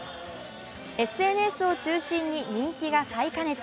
ＳＮＳを中心に人気が再加熱。